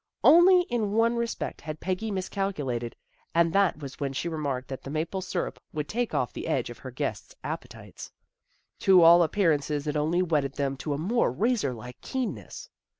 Only in one respect had Peggy miscalculated, and that was when she remarked that the maple syrup would take off the edge of her guests' appetites. To all appearances it only whetted them to a more razor like keenness.